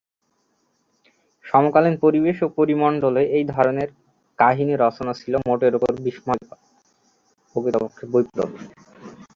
সমকালীন পরিবেশ ও পরিমণ্ডলে এই ধরনের কাহিনী রচনা ছিল মোটের উপর বিস্ময়কর, প্রকৃতপক্ষে বৈপ্লবিক।